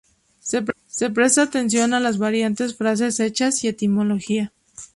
Se presta atención a a las variantes, frases hechas y la etimología.